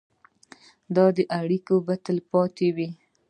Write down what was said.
دا اړیکې به تلپاتې وي.